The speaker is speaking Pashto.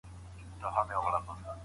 ثابت بن قيس رضي الله عنه راغلی.